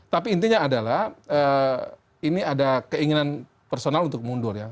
tapi intinya adalah ini ada keinginan personal untuk mundur ya